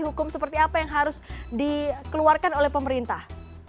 hukum seperti apa yang harus dikeluarkan oleh pemerintah